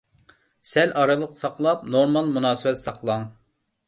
سەل ئارىلىق ساقلاپ، نورمال مۇناسىۋەت ساقلاڭ.